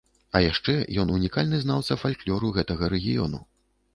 А яшчэ ён унікальны знаўца фальклору гэтага рэгіёну.